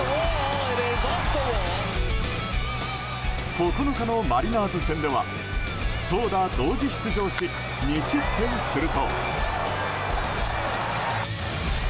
９日のマリナーズ戦では投打同時出場し２失点すると。